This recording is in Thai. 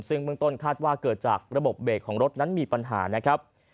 ซึ่งเมืองต้นคาดว่าเกิดจากระบบเบรกของรถนั้นมีปัญหานะครับ